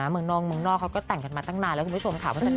เมืองนอกเมืองนอกเขาก็แต่งกันมาตั้งนานแล้วคุณผู้ชมค่ะ